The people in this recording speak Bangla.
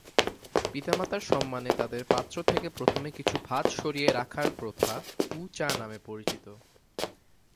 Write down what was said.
পিতামাতার সম্মানে তাদের পাত্র থেকে প্রথমে কিছু ভাত সরিয়ে রাখার প্রথা উ চা নামে পরিচিত।